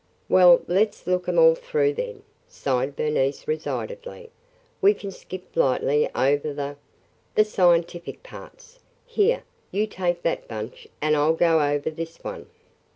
"Well, let 's look 'em all through then!" sighed Bernice resignedly. "We can skip lightly over the – the scientific parts. Here, you take that bunch and I 'll go over this one.